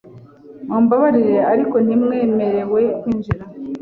Mumbabarire, ariko ntiwemerewe kwinjira .